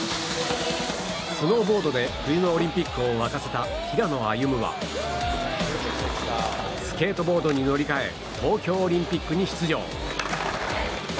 スノーボードで冬のオリンピックを沸かせた平野歩夢はスケートボードに乗り換え東京オリンピックに出場。